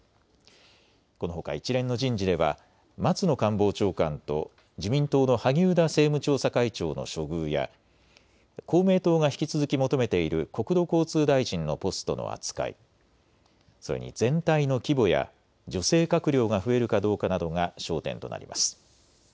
このほか一連の人事では松野官房長官と自民党の萩生田政務調査会長の処遇や公明党が引き続き求めている国土交通大臣のポストの扱い、それに全体の規模や女性閣僚が増えるかどうかなどが焦点となります。